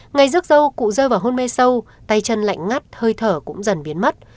ngày rước dâu cụ rơi vào hôn mê sâu tay chân lạnh ngắt hơi thở cũng dần biến mất